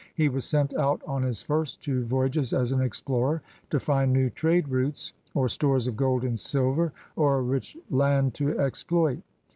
He was sent out on his first two voyages as an explorer, to find new trade routes, or stores of gold and silver or a rich land to exploit.